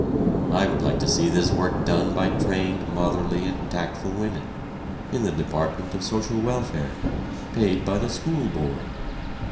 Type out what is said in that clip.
I would like to see this work done by trained motherly and tactful women, in the department of social welfare, paid by the school board.